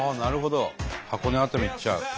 箱根熱海に行っちゃう。